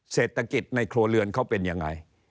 เศรษฐกิจในครัวเรือนเขาเป็นยังไง